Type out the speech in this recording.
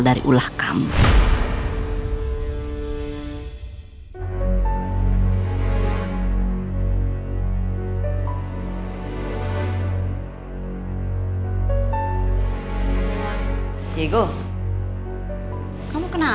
dari ulah kamu